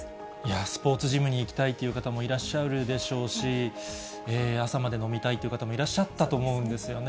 スポーツジムに行きたいという方もいらっしゃるでしょうし、朝まで飲みたいという方もいらっしゃったと思うんですよね。